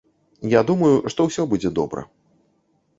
Я думаю, што ўсё будзе добра.